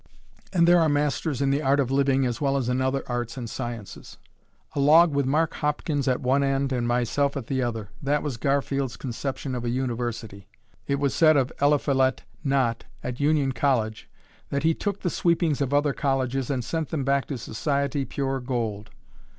And there are masters in the art of living as well as in other arts and sciences. "A log with Mark Hopkins at one end and myself at the other." That was Garfield's conception of a university. It was said of Eliphalet Nott at Union College, that he "took the sweepings of other colleges and sent them back to society pure gold."